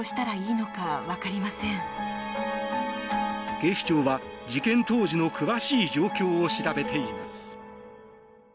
警視庁は、事件当時の詳しい状況を調べています。